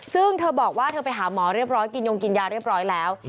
ซึ่งเธอบอกว่าเธอไปหาหมอเรียบร้อยกินยงกินยาเรียบร้อยแล้ว